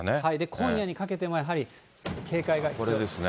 今夜にかけてもやはり警戒が必要。